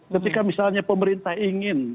ketika misalnya pemerintah ingin